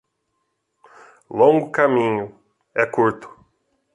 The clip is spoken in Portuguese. Longo caminho, é curto.